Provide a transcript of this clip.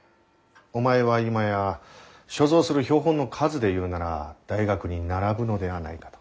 お前は今や所蔵する標本の数で言うなら大学に並ぶのではないかと。